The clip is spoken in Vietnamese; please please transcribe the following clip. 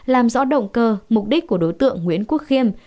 làm rõ động cơ mục đích của đối tượng nguyễn quốc khiêm